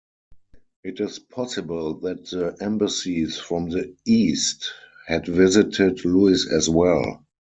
It is possible that the embassies from the east had visited Louis as well.